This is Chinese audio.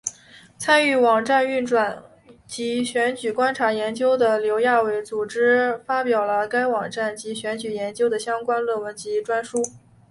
参与网站运作及选举观察研究的刘亚伟组织发表了该网站及选举研究的相关论文及专书。